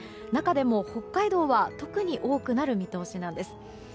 中でも北海道は特に多くなる見通しなんです。